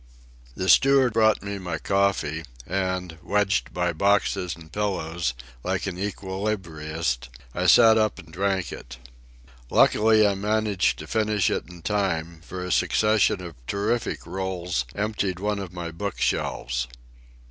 The steward brought me my coffee, and, wedged by boxes and pillows, like an equilibrist, I sat up and drank it. Luckily I managed to finish it in time, for a succession of terrific rolls emptied one of my book shelves.